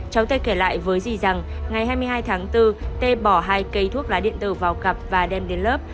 cháu tê kể lại với gì rằng ngày hai mươi hai tháng bốn t bỏ hai cây thuốc lá điện tử vào cặp và đem đến lớp